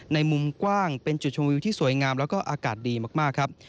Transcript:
มุมกว้างเป็นจุดชมวิวที่สวยงามแล้วก็อากาศดีมากครับ